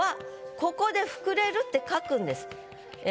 ここで「膨れる」って書くんです。